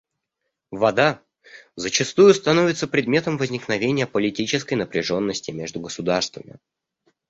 Вода зачастую становится предметом возникновения политической напряженности между государствами.